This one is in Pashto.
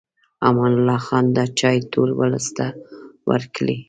امان الله خان دا چای ټول ولس ته ورکړی و.